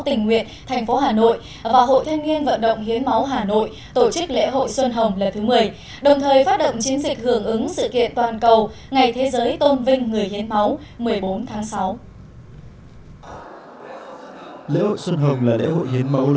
tình nguyện thành phố hà nội và hội thanh niên vận động hiếm máu hà nội tổ chức lễ hội xuân hồng lần thứ một mươi